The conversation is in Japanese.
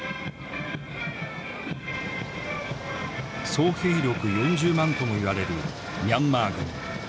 総兵力４０万ともいわれるミャンマー軍。